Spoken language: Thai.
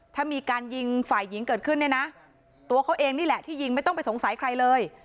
ถ้ามีการยิงฝ่ายหญิงเกิดขึ้นเนี่ยนะตัวเขาเองนี่แหละที่ยิงไม่ต้องไปสงสัยใครเลย